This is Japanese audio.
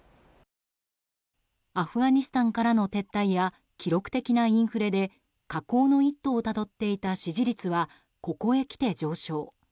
アフガニスタンからの撤退や記録的なインフレで下降の一途をたどっていた支持率はここへきて上昇。